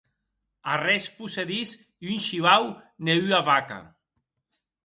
Arrés possedís un shivau ne ua vaca.